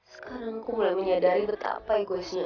sekarang aku mulai menyadari betapa egoisnya aku